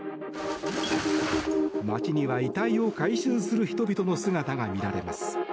街には遺体を回収する人々の姿が見られます。